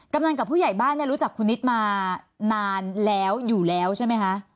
กำนันกับผู้ใหญ่บ้านเนี่ยรู้จักคุณนิดมานานแล้วอยู่แล้วใช่ไหมคะ